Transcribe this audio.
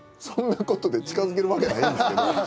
そんなことで近づけるわけないんですけど。